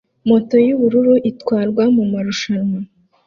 Moto yubururu itwarwa mumarushanwa